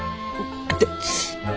痛っ！